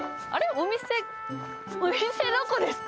お店、お店どこですか？